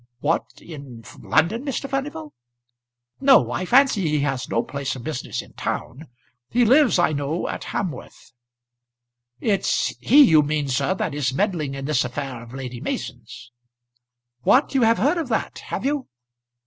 "What! in London, Mr. Furnival?" "No; I fancy he has no place of business in town. He lives I know at Hamworth." "It's he you mean, sir, that is meddling in this affair of Lady Mason's." "What! you have heard of that; have you?"